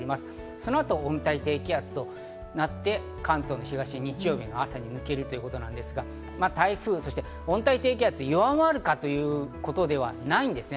そのあと温帯低気圧となって、関東の東を日曜日の朝に抜けるということですが、台風、そして温帯低気圧、弱まるかということではないんですね。